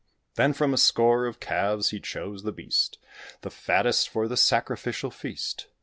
Then from a score of calves he chose the beast, The fattest, for the sacrificial feast.